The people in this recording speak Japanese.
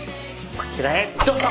こちらへどうぞ！